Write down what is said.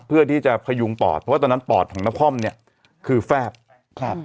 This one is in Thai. เพื่อที่จะพยุงปอดเพราะว่าตอนนั้นปอดของนครเนี่ยคือแฟบครับ